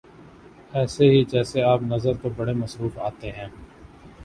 ایسے ہی جیسے آپ نظر تو بڑے مصروف آتے ہیں